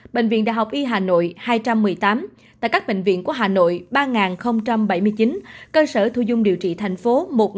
bệnh viện đại học y hà nội hai trăm một mươi tám tại các bệnh viện của hà nội ba bảy mươi chín cơ sở thu dung điều trị thành phố một ba trăm ba mươi